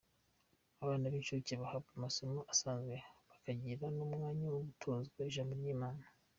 Abana b’incuke bahabwa amasomo asanzwe bakagira n’umwanya wo gutozwa Ijambo ry’Imana